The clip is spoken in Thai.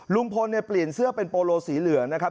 ลุงพลเนี่ยเปลี่ยนเสื้อเป็นโปโลสีเหลืองนะครับ